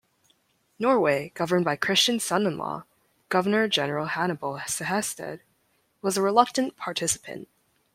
Norway, governed by Christian's son-in-law, Governor-General Hannibal Sehested, was a reluctant participant.